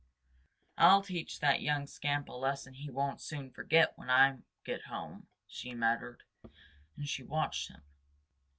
"I'll teach that young scamp a lesson he won't soon forget when I get home," she muttered, as she watched him.